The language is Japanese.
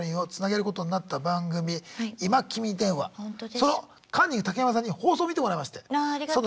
そのカンニング竹山さんに放送を見てもらいまして。